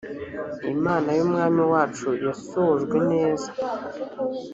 imana y umwami wacu yasojwe neza